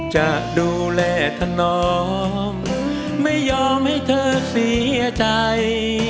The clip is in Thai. จะดูแลถนอมไม่ยอมให้เธอเสียใจ